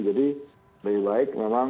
jadi lebih baik memang